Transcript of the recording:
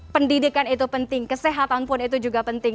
pendidikan itu penting kesehatan pun itu juga penting